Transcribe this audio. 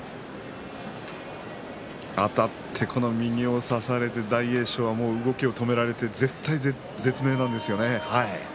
あたって右を差されて大栄翔は動きを止められて絶体絶命なんですよね。